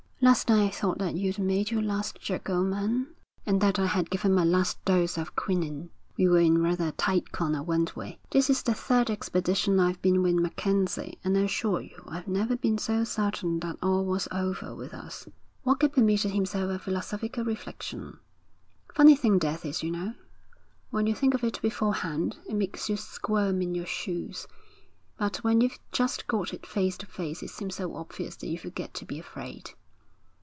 'Last night I thought that you'd made your last joke, old man; and that I had given my last dose of quinine.' 'We were in rather a tight corner, weren't we?' 'This is the third expedition I've been with MacKenzie, and I assure you I've never been so certain that all was over with us.' Walker permitted himself a philosophical reflection. 'Funny thing death is, you know! When you think of it beforehand, it makes you squirm in your shoes, but when you've just got it face to face it seems so obvious that you forget to be afraid.'